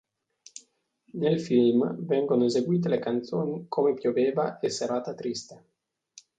Nel film vengono eseguite le canzoni "Come pioveva" e "Serata triste".